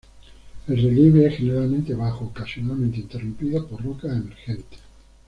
El relieve es generalmente bajo, ocasionalmente interrumpido por rocas emergentes.